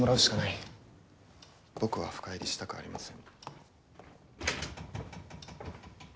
僕は深入りしたくありません。